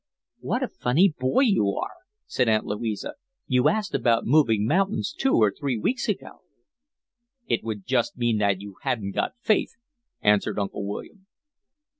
"What a funny boy you are!" said Aunt Louisa. "You asked about moving mountains two or three weeks ago." "It would just mean that you hadn't got faith," answered Uncle William.